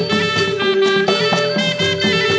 โปรดติดตามต่อไป